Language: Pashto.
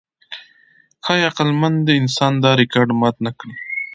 ښایي عقلمن انسان دا ریکارډ مات نهکړي.